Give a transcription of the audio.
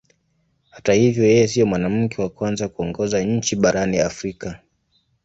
Hata hivyo yeye sio mwanamke wa kwanza kuongoza nchi barani Afrika.